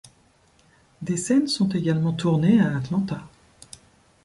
Des scènes sont également tournées à Atlanta.